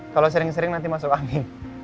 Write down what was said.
kalau sering sering nanti masuk angin